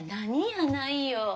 やないよ。